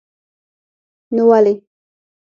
نو ولې.